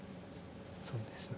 そうですね。